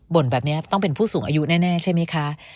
แบบนี้ต้องเป็นผู้สูงอายุแน่ใช่ไหมคะ